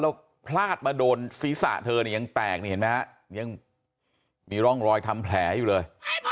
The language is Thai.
แล้วพลาดมาโดนศีรษะเธอเนี่ยยังแตกนี่เห็นไหมฮะยังมีร่องรอยทำแผลอยู่เลย